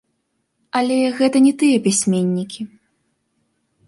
Але гэта не тыя пісьменнікі.